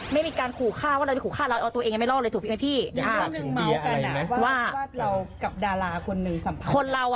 ไม่มีการขู่ฆ่าว่าเราจะขู่ฆ่าเรา